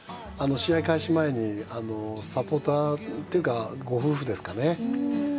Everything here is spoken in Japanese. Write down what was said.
試合開始前にサポーターっていうかご夫婦ですかね。